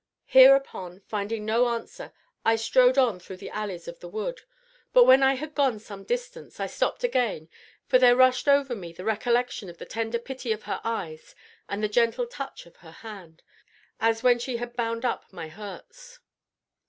(Hereupon, finding no answer, I strode on through the alleys of the wood; but, when I had gone some distance, I stopped again, for there rushed over me the recollection of the tender pity of her eyes and the gentle touch of her hand, as when she had bound up my hurts.